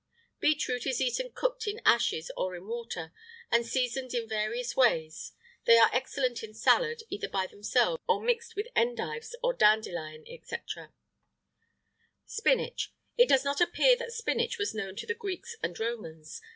"Beet root is eaten cooked in ashes or in water, and seasoned in various ways; they are excellent in salad, either by themselves, or mixed with endives or dandelion, &c." BOSC. SPINACH. It does not appear that spinach was known to the Greeks and Romans.